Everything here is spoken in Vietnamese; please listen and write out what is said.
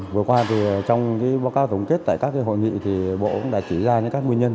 vừa qua trong báo cáo tổng kết tại các hội nghị thì bộ cũng đã chỉ ra những các nguyên nhân